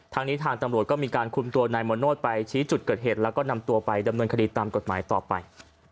ทางนี้ทางตำรวจก็มีการคุมตัวนายมโนธไปชี้จุดเกิดเหตุแล้วก็นำตัวไปดำเนินคดีตามกฎหมายต่อไป